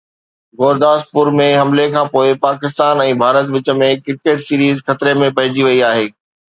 گورداسپور ۾ حملي کانپوءِ پاڪستان ۽ ڀارت وچ ۾ ڪرڪيٽ سيريز خطري ۾ پئجي وئي آهي